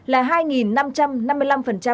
là hai người vay